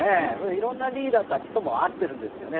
いろんなリーダーたちとも会っているんですね。